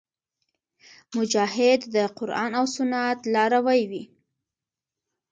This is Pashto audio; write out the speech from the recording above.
مجاهد د قرآن او سنت لاروی وي.